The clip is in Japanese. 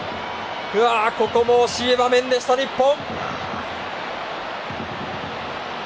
ここも惜しい場面でした日本。